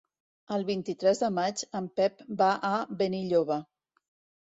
El vint-i-tres de maig en Pep va a Benilloba.